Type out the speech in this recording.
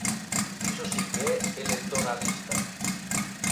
Iso si que é electoralista.